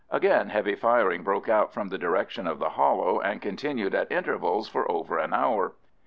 Again heavy firing broke out from the direction of the hollow, and continued at intervals for over an hour.